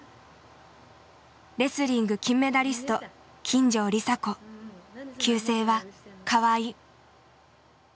レスリング金メダリスト旧姓は川井。